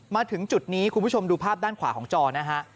มาถึงจุดนี้คุณผู้ชมดูภาพด้านขวาของจอนะฮะ